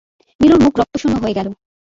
নীলুর মুখ রক্তশূন্য হয়ে গেল।